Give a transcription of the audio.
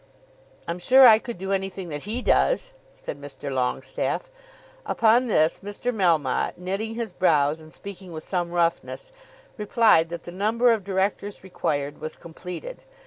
"I'm sure I could do anything that he does," said Mr. Longestaffe. Upon this Mr. Melmotte, knitting his brows and speaking with some roughness, replied that the number of directors required was completed.